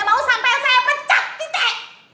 kalo gak mau sampai saya pecah titik